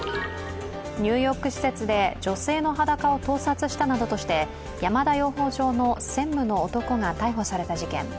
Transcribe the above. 入浴施設で女性の裸を盗撮したなどとして山田養蜂場の専務の男が逮捕された事件。